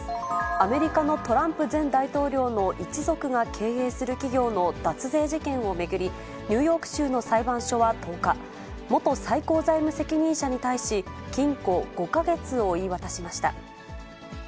アメリカのトランプ前大統領の一族が経営する企業の脱税事件を巡り、ニューヨーク州の裁判所は１０日、元最高財務責任者に対し、禁錮５か月を言い渡しました。